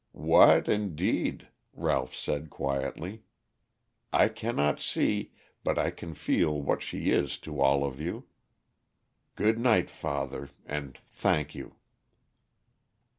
"What, indeed?" Ralph said quietly. "I cannot see, but I can feel what she is to all of you. Good night, father, and thank you."